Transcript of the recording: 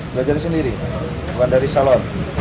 belajar sendiri bukan dari salon